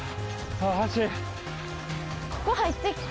ここ入ってきて。